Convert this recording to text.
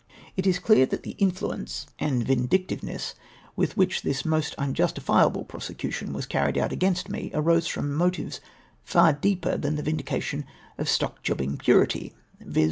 It is clear that the influence and vindictive COMMON ON THE STOCK EXCHANGE. 343 ness with wliicli tliis most unjustifiable prosecution was carried out as against me, arose from motives far deeper than the vindication of stock jobbing purity, viz.